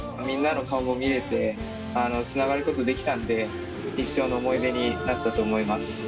みんなの顔も見れてつながることできたんで一生の思い出になったと思います。